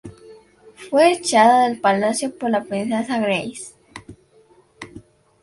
Fue echada del palacio por la Princesa Grace.